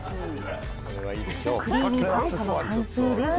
クリーミーパスタの完成です。